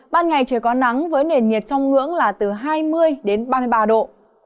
ban ngày trời có nắng với nền nhiệt trong ngưỡng là từ hai mươi đến ba mươi ba độ